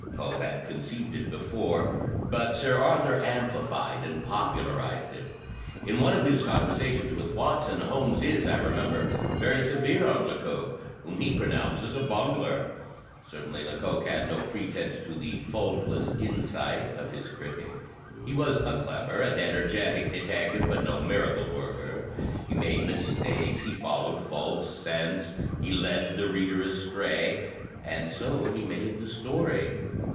Poe had conceived it before, but Sir Arthur amplified and popularized it. In one of his conversations with Watson, Holmes is, I remember, very severe on Lecoq, whom he pronounces *a bungler.' Certainly Lecoq had no pretence to the faultless insight of his critic. He was a clever and DEDUCTION 97 energetic detective, but no miracle worker. He made mis takes, he followed false scents, he led the reader astray. And so he made the story.